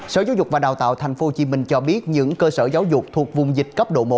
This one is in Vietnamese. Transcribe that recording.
sở giáo dục và đào tạo tp hcm cho biết những cơ sở giáo dục thuộc vùng dịch cấp độ một